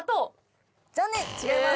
残念違います。